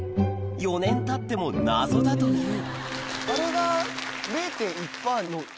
４年たっても謎だというあれが。